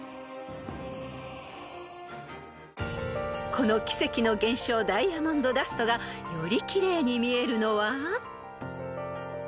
［この奇跡の現象ダイヤモンドダストがより奇麗に見えるのは？］